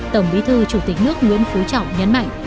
tổng bí thư chủ tịch nước nguyễn phú trọng nhấn mạnh